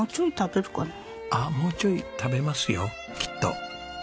ああもうちょい食べますよきっと。